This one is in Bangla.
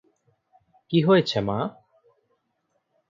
কী হয়েছে, মা?